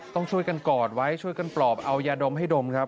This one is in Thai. ต้องช่วยกันกอดไว้ช่วยกันปลอบเอายาดมให้ดมครับ